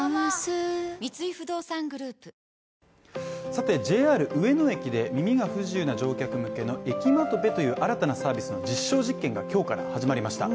さてＪＲ上野駅で耳が不自由な乗客向けのエキマトペという新たなサービスの実証実験が今日から始まりました